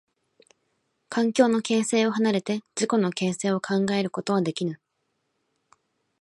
環境の形成を離れて自己の形成を考えることはできぬ。